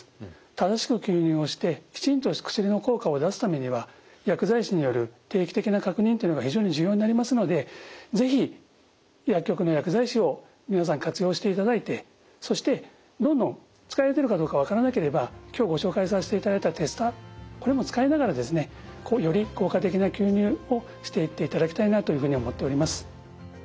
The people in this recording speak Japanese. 正しく吸入をしてきちんと薬の効果を出すためには薬剤師による定期的な確認というのが非常に重要になりますので是非薬局の薬剤師を皆さん活用していただいてそしてどんどん使えてるかどうか分からなければ今日ご紹介させていただいたテスターこれも使いながらですねより効果的な吸入をしていっていただきたいなというふうに思っております。